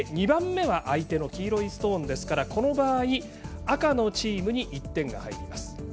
２番目は相手の黄色いストーンですからこの場合、赤のチームに１点が入ります。